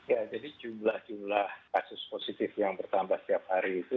ya jadi jumlah jumlah kasus positif yang bertambah setiap hari itu